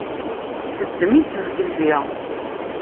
Teddem-itt zgelli.